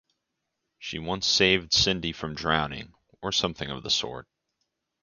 She once saved Cindy from drowning, or something of the sort.